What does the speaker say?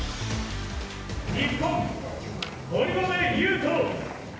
日本、堀米雄斗。